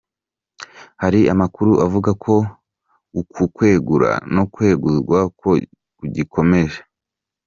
Hari amakuru avuga ko uku kwegura no kweguzwa ku gikomeje.